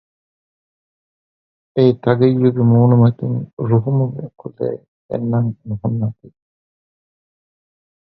އެއީ ތަގިއްޔުގެ މޫނުމަތިން ރުހުމުގެ ކުލައެއް ފެންނަން ނުހުންނާތީ